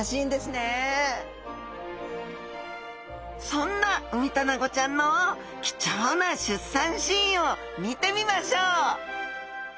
そんなウミタナゴちゃんの貴重な出産シーンを見てみましょう！